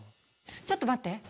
ちょっと待って！